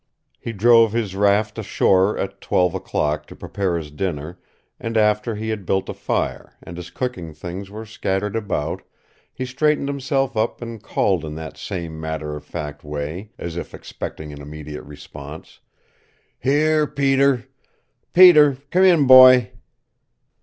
He drove his raft ashore at twelve o'clock to prepare his dinner, and after he had built a fire, and his cooking things were scattered about, he straightened himself up and called in that same matter of fact way, as if expecting an immediate response, "Here, Peter! Peter! Come in, Boy!"